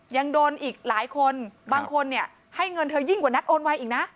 ยังโดนอีกหลายคนบางคนเนี่ยให้เงินเธอยิ่งกว่านัดโอนไวอีกนะ